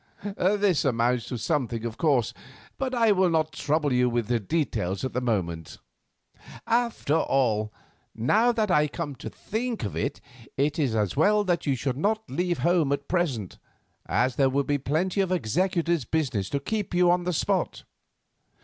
This amounts to something, of course, but I will not trouble you with details at the moment. "After all, now that I come to think of it, it is as well that you should not leave home at present, as there will be plenty of executor's business to keep you on the spot.